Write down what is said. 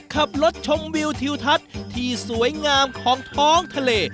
ขับรถชมวิวทิวทัศน์ที่สวยงามของท้องทะเล